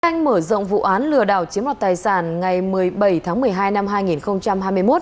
anh mở rộng vụ án lừa đảo chiếm hoạt tài sản ngày một mươi bảy tháng một mươi hai năm hai nghìn hai mươi một